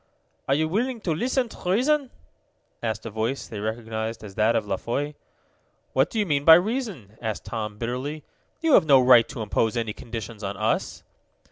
"Are you willing to listen to reason?" asked a voice they recognized as that of La Foy. "What do you mean by reason?" asked Tom bitterly. "You have no right to impose any conditions on us."